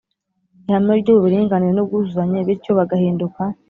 ihame ry’uburinganire n’ubwuzuzanye bityo bagahinduka